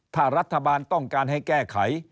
ถ้ารัฐบาลต้องการให้แก้ไข